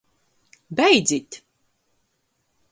Beidzit!